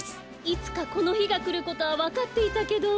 いつかこのひがくることはわかっていたけど。